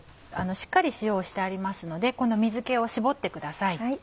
しっかり塩をしてありますのでこの水気を絞ってください。